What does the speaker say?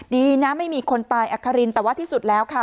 ดีนะไม่มีคนตายอัครินแต่ว่าที่สุดแล้วค่ะ